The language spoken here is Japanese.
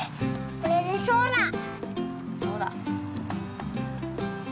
これがそうだ。